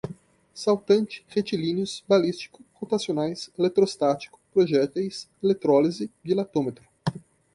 saltante, retilíneos, balístico, rotacionais, eletrostático, projéteis, eletrólise, dilatômetro